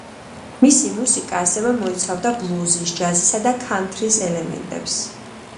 მისი მუსიკა, ასევე მოიცავდა ბლუზის, ჯაზისა და ქანთრის ელემენტებს.